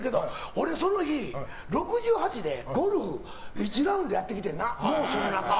俺、その日６８でゴルフ１ラウンドやってきて猛暑の中。